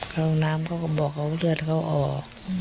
ห้องน้ำเขาก็บอกเขาเลือดเขาออก